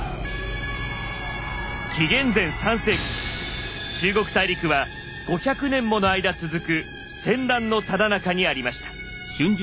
紀元前３世紀中国大陸は５００年もの間続く戦乱のただ中にありました。